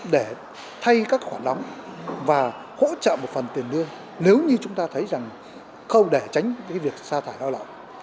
để thay các khoản đóng và hỗ trợ một phần tiền lương nếu như chúng ta thấy rằng không để tránh việc xa thải lao động